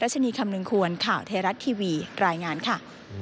ชนีคำนึงควรข่าวไทยรัฐทีวีรายงานค่ะ